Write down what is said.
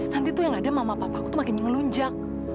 nanti tuh yang ada mama papa aku tuh makin ngelunjak